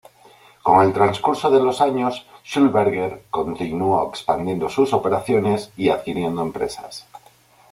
Con el transcurso de los años, Schlumberger continuó expandiendo sus operaciones y adquiriendo empresas.